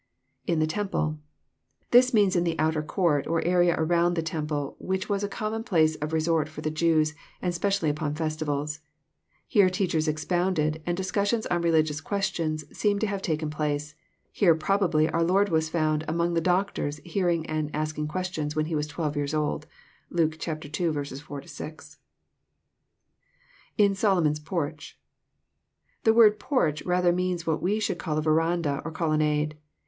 [/n the temple.'] This means in the outer court, or area around the temple, which was a common place of resort for the Jews, and specially upon festivals. Here teachers expounded, and discussions on religions questions seem to have taken place. Here probably our Lord was found " among the doctors," hearing aod asking questions, when he was twelve years old. (Luke ii. 4—6.) [/» SolomorCs porch.] The word " porch " rather means what we should call a veranda, or colonnade.